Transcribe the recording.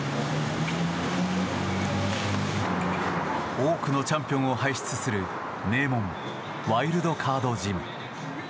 多くのチャンピオンを輩出する名門ワイルドカードジム。